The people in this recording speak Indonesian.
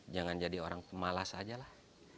jangan jadi orang pemalas aja lah